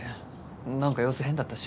なんか様子変だったし。